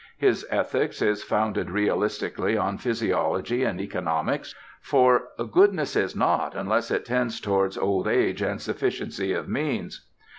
His ethics is founded realistically on physiology and economics; for "goodness is naught unless it tends towards old age and sufficiency of means."